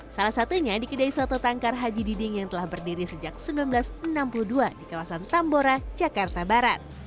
salah satunya di kedai soto tangkar haji diding yang telah berdiri sejak seribu sembilan ratus enam puluh dua di kawasan tambora jakarta barat